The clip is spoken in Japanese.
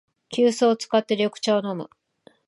急須を使って緑茶を飲む